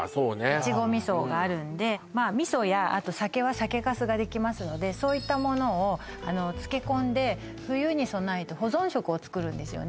越後味噌があるんでまあ味噌や酒は酒かすができますのでそういったものを漬け込んで冬に備えて保存食を作るんですよね